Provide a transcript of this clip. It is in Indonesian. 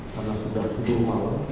karena sudah tidur malam